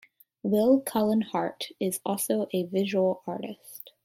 Will Cullen Hart is also a visual artist.